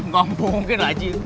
ga mungkin aja